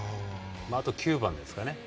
あと９番ですかね。